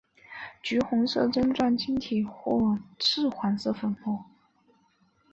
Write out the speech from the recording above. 橘红色针状晶体或赭黄色粉末。